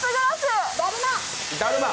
だるま。